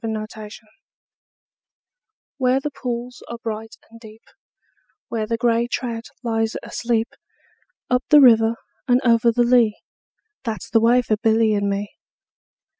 A Boy's Song WHERE the pools are bright and deep, Where the grey trout lies asleep, Up the river and over the lea, That 's the way for Billy and me.